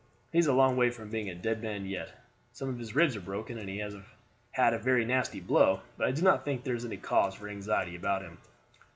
He is a long way from being a dead man yet. Some of his ribs are broken, and he has had a very nasty blow; but I do not think there is any cause for anxiety about him.